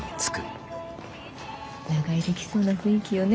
長居できそうな雰囲気よね。